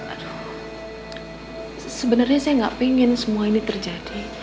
aduh sebenernya saya gak pengen semua ini terjadi